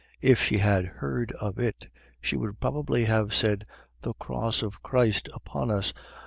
If she had heard of it, she would probably have said, "The cross of Christ upon us.